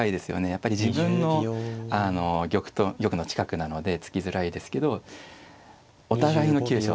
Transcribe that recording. やっぱり自分の玉の近くなので突きづらいですけどお互いの急所